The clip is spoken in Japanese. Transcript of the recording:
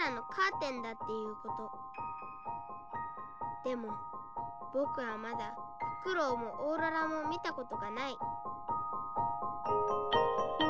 でも僕はまだフクロウもオーロラも見たことがない。